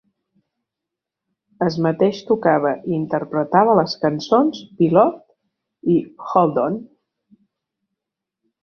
Es mateix tocava i interpretava les cançons "Pilot" i "Hold On".